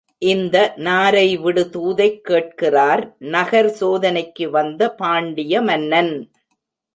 இந்த நாரைவிடு தூதைக் கேட்கிறார் நகர் சோதனைக்கு வந்த பாண்டிய மன்னன்.